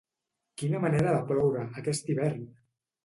Quina manera de ploure, aquest hivern!